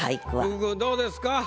福君どうですか？